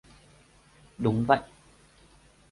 Đúng vậy